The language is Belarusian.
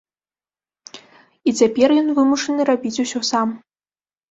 І цяпер ён вымушаны рабіць усё сам.